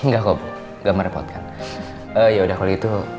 gak merepotkan ya udah kalau gitu